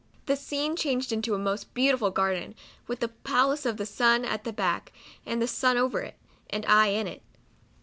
" The scene changed to a most beautiful garden, with the palace of the sun at the back, and the sun over it, and I in it.